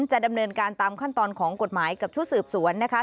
จะดำเนินการตามขั้นตอนของกฎหมายกับชุดสืบสวนนะคะ